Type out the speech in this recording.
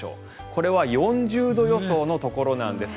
これは４０度予想のところなんです。